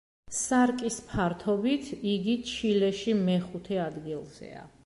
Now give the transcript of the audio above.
სარკის ფართობით იგი ჩილეში მეხუთე ადგილზეა.